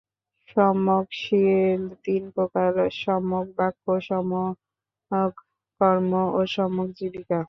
সম্যক শীল তিন প্রকার- সম্যক বাক্য, সম্যক কর্ম ও সম্যক জীবিকা।